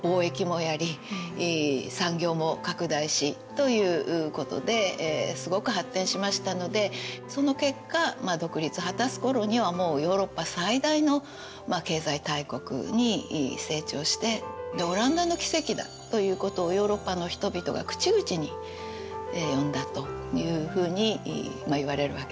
そういう中でオランダはすごく発展しましたのでその結果独立を果たす頃にはもうヨーロッパ最大の経済大国に成長してオランダの奇跡だということをヨーロッパの人々が口々に呼んだというふうにいわれるわけですね。